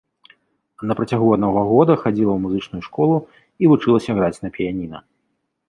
На працягу аднаго года хадзіла ў музычную школу і вучылася граць на піяніна.